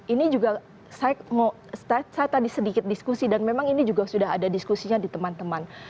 ini juga saya mau saya tadi sedikit diskusi dan memang ini juga sudah ada diskusinya di teman teman